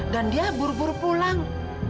dan dia buru buru pulang